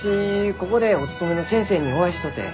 ここでお勤めの先生にお会いしとうて。